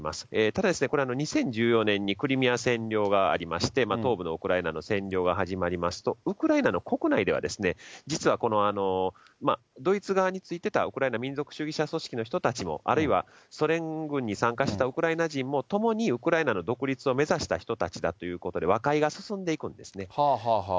ただですね、２０１４年にクリミア占領がありまして、東部のウクライナの占領が始まりますと、ウクライナの国内では、実はこのドイツ側についてたウクライナ民族主義者組織の人たちも、あるいはソ連軍に参加していたウクライナ人もともにウクライナの独立を目指した人たちだということで、和解が進んでいくんですね。